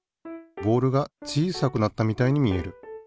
ボールが小さくなったみたいに見える。